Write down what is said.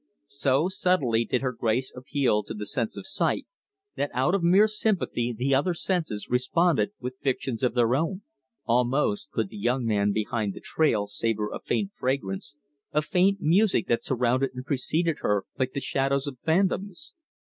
So subtly did her grace appeal to the sense of sight, that out of mere sympathy the other senses responded with fictions of their own. Almost could the young man behind the trail savor a faint fragrance, a faint music that surrounded and preceded her like the shadows of phantoms.